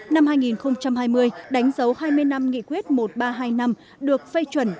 năm hai nghìn hai mươi đánh dấu hai mươi năm nghị quyết một nghìn ba trăm hai mươi năm được phê chuẩn